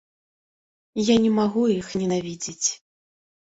Я не магу іх ненавідзець.